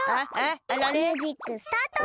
ミュージックスタート！